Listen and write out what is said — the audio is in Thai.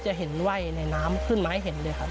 จะเห็นไหว้ในน้ำขึ้นมาให้เห็นเลยครับ